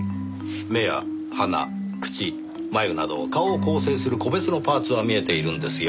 目や鼻口眉など顔を構成する個別のパーツは見えているんですよ。